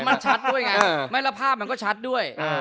มันชัดด้วยไงไม่แล้วภาพมันก็ชัดด้วย